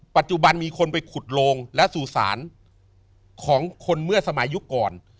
ปัจจุบันมีคนไปขุดโลงและสู่สารของคนเมื่อสมัยยุคก่อน